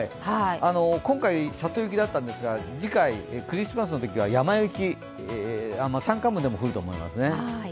今回、里雪だったんですが、次回、クリスマスのときは山雪、山間部でも降ると思いますね。